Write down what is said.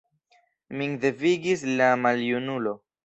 Min devigis la maljunulo.